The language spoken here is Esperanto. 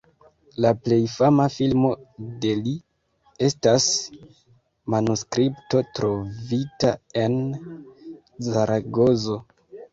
La plej fama filmo de li estas "Manuskripto trovita en Zaragozo".